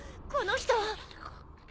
この人！